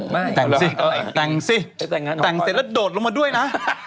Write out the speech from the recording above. ไม่แต่งแล้วสิแต่งสิแต่งเสร็จแล้วโดดลงมาด้วยนะ